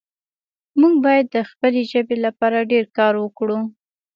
موږ باید د خپلې ژبې لپاره ډېر کار وکړو